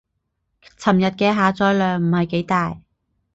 尋日嘅下載量唔係幾大